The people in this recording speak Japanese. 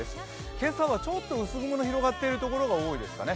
今朝はちょっと薄雲の広がっている所が多いですかね。